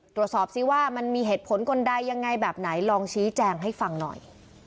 ตรวจสอบซิว่ามันมีเหตุผลคนใดยังไงแบบไหนลองชี้แจงให้ฟังหน่อย